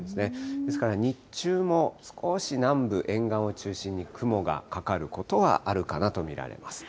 ですから、日中も少し南部、沿岸を中心に、雲がかかることはあるかなと見られます。